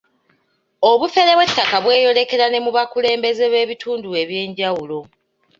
Obufere bw'ettaka bweyolekera ne mu bakulembeze b'ebitundu eby'enjawulo.